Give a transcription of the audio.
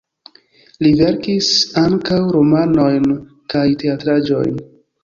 Li verkis ankaŭ romanojn kaj teatraĵojn.